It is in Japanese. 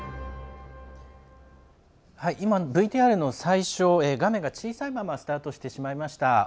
今、ＶＴＲの最初画面が小さいままスタートしてしまいました。